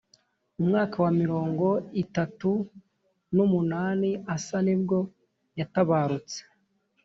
mu mwaka wa mirongo itatu n’umunani asa nibwo yatabarutse